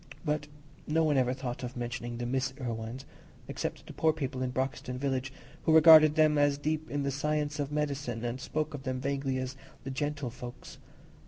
But no one ever thought of mentioning the Miss Irwines, except the poor people in Broxton village, who regarded them as deep in the science of medicine, and spoke of them vaguely as "the gentlefolks."